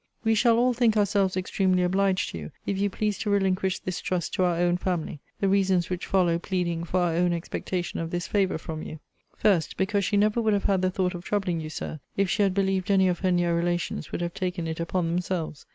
We shall all think ourselves extremely obliged to you, if you please to relinquish this trust to our own family; the reasons which follow pleading for our own expectation of this favour from you: First, because she never would have had the thought of troubling you, Sir, if she had believed any of her near relations would have taken it upon themselves.